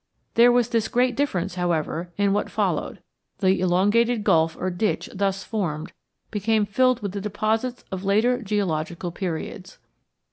There was this great difference, however, in what followed: the elongated gulf or ditch thus formed became filled with the deposits of later geologic periods.